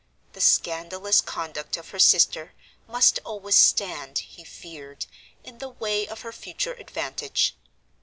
The scandalous conduct of her sister must always stand (he feared) in the way of her future advantage.